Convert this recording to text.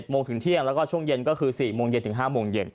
โมงถึงเที่ยงแล้วก็ช่วงเย็นก็คือ๔โมงเย็นถึง๕โมงเย็น